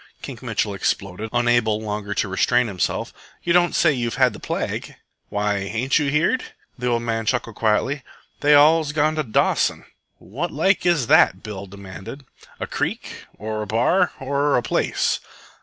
Kink Mitchell exploded, unable longer to restrain himself. "You don't say you've had the plague?" "Why, ain't you heerd?" The old man chuckled quietly. "They all's gone to Dawson." "What like is that?" Bill demanded. "A creek? or a bar? or a place?"